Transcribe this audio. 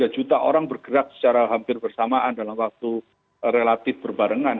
satu ratus dua puluh tiga juta orang bergerak secara hampir bersamaan dalam waktu relatif berbarengan